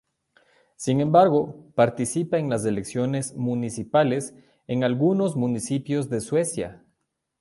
Sin embargo, participa en las elecciones municipales en algunos municipios de Suecia.